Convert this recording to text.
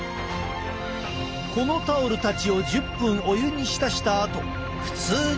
このタオルたちを１０分お湯に浸したあと普通に洗濯。